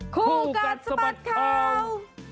คู่กัดสะบัดข่าว